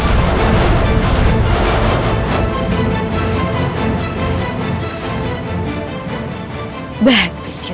akibat kekayaanmu dengan terlalu rindu